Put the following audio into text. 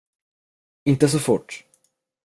Inte så fort.